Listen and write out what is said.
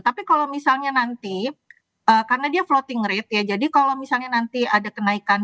tapi kalau misalnya nanti karena dia floating rate ya jadi kalau misalnya nanti ada kenaikan